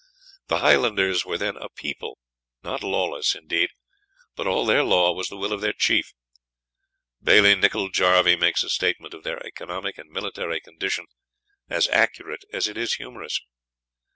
The Highlanders were then a people, not lawless, indeed, but all their law was the will of their chief. Bailie Nicol Jarvie makes a statement of their economic and military condition as accurate as it is humorous.